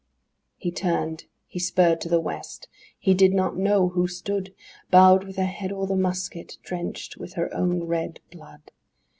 VIII He turned; he spurred to the West; he did not know who stood Bowed, with her head o'er the musket, drenched with her own red blood!